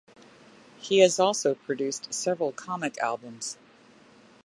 He has also produced several comic albums.